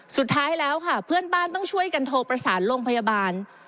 สุดท้ายแล้วค่ะเพื่อนบ้านต้องช่วยกันโทรประสานโรงพยาบาล